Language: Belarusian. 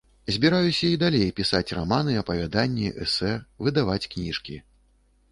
Збіраюся і далей пісаць раманы, апавяданні, эсэ, выдаваць кніжкі.